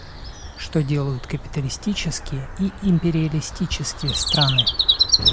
Что делают капиталистические и империалистические страны?